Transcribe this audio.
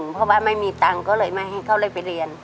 เพราะว่าไม่มีตังค์ก็เลยไม่ให้เขาเลยไปเรียน